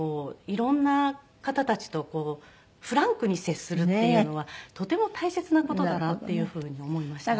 色んな方たちとフランクに接するっていうのはとても大切な事だなっていうふうに思いました。